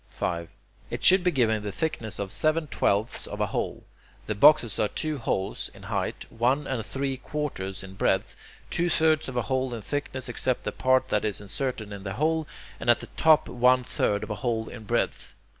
5. It should be given the thickness of seven twelfths of a hole. The boxes are two holes (in height), one and three quarters in breadth, two thirds of a hole in thickness except the part that is inserted in the hole, and at the top one third of a hole in breadth.